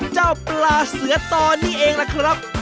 เจ้าปลาเสือตอนนี้เองล่ะครับ